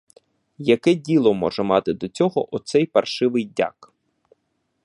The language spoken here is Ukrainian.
Яке діло може мати до нього оцей паршивий дяк?